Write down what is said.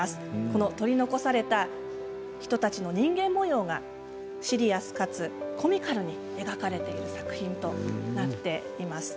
この取り残された人たちの人間もようがシリアスかつコミカルに描かれている作品となっています。